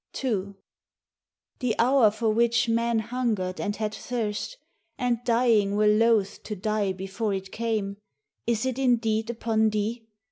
2 The hour for which men hungered and had thirst, And dying were loth to die before it came, Is it indeed upon thee?